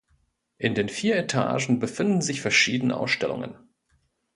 In den vier Etagen befinden sich verschiedene Ausstellungen.